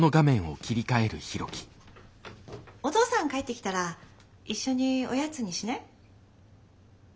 お父さん帰ってきたら一緒におやつにしない？